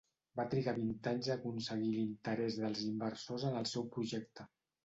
Va trigar vint anys a aconseguir l'interès dels inversors en el seu projecte.